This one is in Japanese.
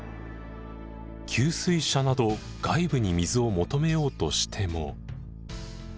給水車など外部に水を求めようとしても。